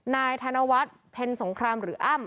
นายธนวัฒน์เพ็ญสงครามหรืออ้ำ